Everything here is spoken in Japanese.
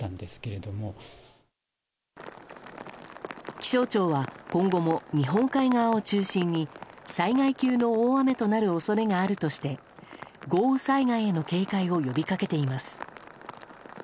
気象庁は今後も日本海側を中心に災害級の大雨となる恐れがあるとして豪雨災害への警戒を呼びかけています。